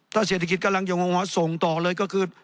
ถ้าเศรษฐกิจกำลังจะออกมาส่งต่อเลยก็คือ